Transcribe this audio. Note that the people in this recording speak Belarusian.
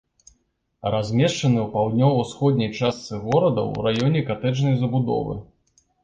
Размешчаны ў паўднёва-ўсходняй частцы горада ў раёне катэджнай забудовы.